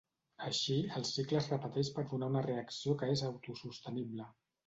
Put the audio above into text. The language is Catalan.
Així, el cicle es repeteix per donar una reacció que és autosostenible.